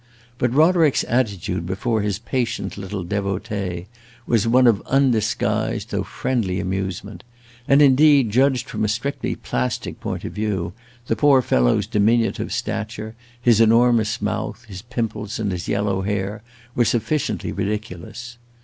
But Roderick's attitude before his patient little devotee was one of undisguised though friendly amusement; and, indeed, judged from a strictly plastic point of view, the poor fellow's diminutive stature, his enormous mouth, his pimples and his yellow hair were sufficiently ridiculous.